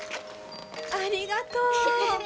ありがとう。